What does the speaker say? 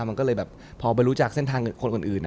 มันก็เลยแบบพอไปรู้จักเส้นทางคนอื่น